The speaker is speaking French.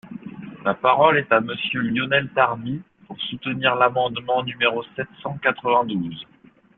La parole est à Monsieur Lionel Tardy, pour soutenir l’amendement numéro sept cent quatre-vingt-douze.